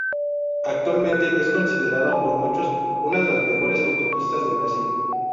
Actualmente, es considerada por muchos, una de las mejores autopistas del Brasil.